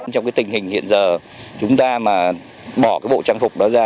trong tình hình hiện giờ chúng ta mà bỏ bộ trang phục đó ra